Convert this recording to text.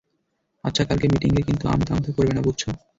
আচ্ছা, কালকে মিটিঙে কিন্তু আমতা আমতা করবে না, বুঝেছ?